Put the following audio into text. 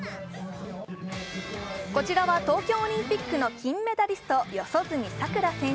こちらは東京オリンピックの金メダリスト・四十住さくら選手。